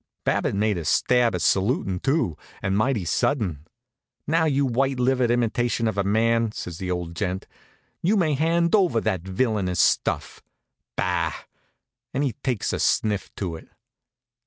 Babbitt made a stab at salutin' too, and mighty sudden. "Now, you white livered imitation of a man," says the old gent, "you may hand over that villainous stuff! Bah!" and he takes a sniff of it.